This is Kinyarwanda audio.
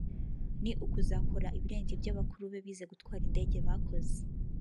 ni ukuzakora ibirenze ibyo bakuru be bize gutwara indege bakoze